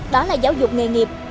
đó là giáo dục nghề nghiệp